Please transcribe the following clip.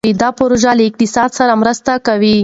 دا پروژه له اقتصاد سره مرسته کوي.